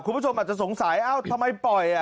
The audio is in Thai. คุณผู้ชมอาจจะสงสัยเอ้าทำไมปล่อย